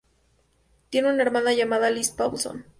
Tiene una hermana llamada Liz Paulson.